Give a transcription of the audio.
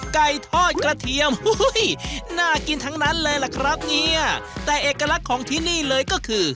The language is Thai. ไก่ทอดกระเทียมน่ากินทั้งนั้นเลยล่ะครับเนี่ยแต่เอกลักษณ์ของที่นี่เลยก็คือ